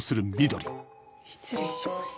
失礼します。